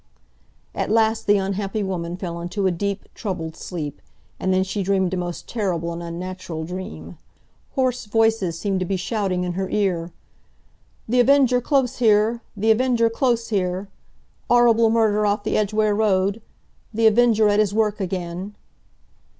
At last the unhappy woman fell into a deep, troubled sleep; and then she dreamed a most terrible and unnatural dream. Hoarse voices seemed to be shouting in her ear: "The Avenger close here! The Avenger close here!" "'Orrible murder off the Edgware Road!" "The Avenger at his work again!"